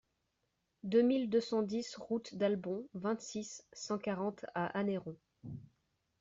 deux mille deux cent dix route d'Albon, vingt-six, cent quarante à Anneyron